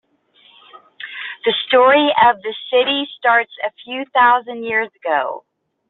The story of the city starts a few thousand years ago.